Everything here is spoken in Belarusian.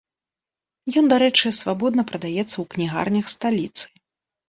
Ён, дарэчы, свабодна прадаецца ў кнігарнях сталіцы.